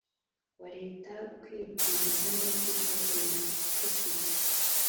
wa leta kwibwiriza no kwita ku bifitiye